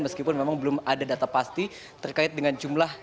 meskipun memang belum ada data pasti terkait dengan jumlah